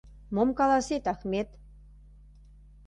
Мом каласет, Ахмет?